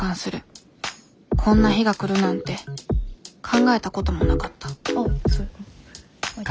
こんな日が来るなんて考えたこともなかったあっいってるやん。